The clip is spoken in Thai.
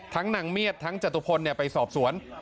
ทั้งนางเมียดทั้งจตุพลนี่ไปสอบสวน